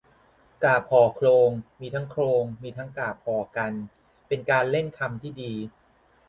กาพย์ห่อโคลง มีทั้งโครง มีทั้งกาบ ห่อกัน เป็นการเล่นคำที่ดี